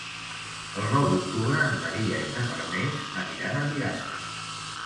El nou d'octubre en Maria i na Farners aniran a Bigastre.